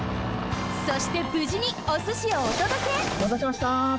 そしてぶじにおすしをおとどけおまたせしました。